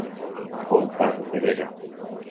Ho’upa che terere.